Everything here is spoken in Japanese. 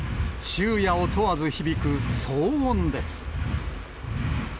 昼夜を問わず響く騒音です。